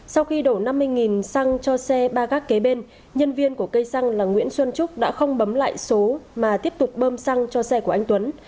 sau khi đổ năm mươi xăng cho xe ba gác kế bên nhân viên của cây xăng là nguyễn xuân trúc đã không bấm lại số mà tiếp tục bơm xăng cho xe của anh tuấn